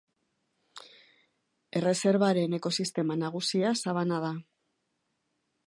Erreserbaren ekosistema nagusia sabana da.